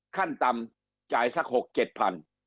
ขั้นต่ำจ่ายสักหกเจ็ดพัน